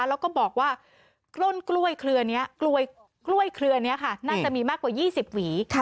แล้วก็บอกว่าต้นกล้วยเคลือนี้น่าจะมีมากกว่า๒๐หวี